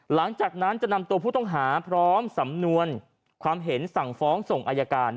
หลังจากนั้นจะนำตัวผู้ต้องหาพร้อมสำนวนความเห็นสั่งฟ้องส่งอายการ